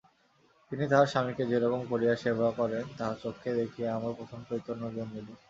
তিনি তাঁহার স্বামীকে যেরকম করিয়া সেবা করেন তাহা চক্ষে দেখিয়া আমার প্রথম চৈতন্য জন্মিল।